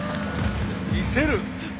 見せる！